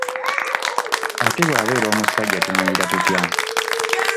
Ate bw'abeera omusajja tumuyita tutya?